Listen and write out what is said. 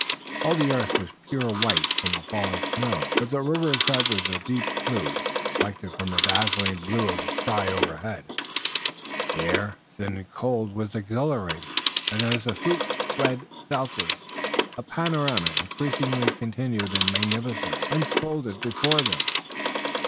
All the earth was pure white from the fallen snow, but the river itself was a deep blue, reflected from the dazzling blue of the sky overhead. The air, thin and cold, was exhilarating, and as the sloop fled southward a panorama, increasing continually in magnificence, unfolded before them.